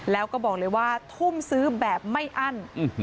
แล้วก็บอกเลยว่าทุ่มซื้อแบบไม่อั้น